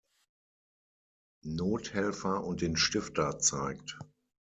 Nothelfer und den Stifter zeigt.